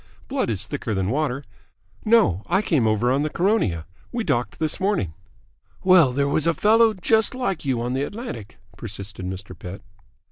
Blood is thicker than water. No, I came over on the Caronia. We docked this morning." "Well, there was a fellow just like you on the Atlantic," persisted Mr. Pett. Mrs.